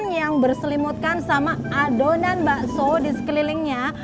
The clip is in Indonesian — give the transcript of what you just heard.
yang berselimutkan sama adonan bakso di sekelilingnya